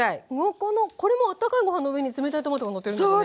このこれもあったかいご飯の上に冷たいトマトがのってるんですよね？